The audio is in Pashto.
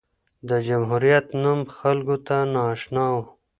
د جمهوریت نوم خلکو ته نااشنا و.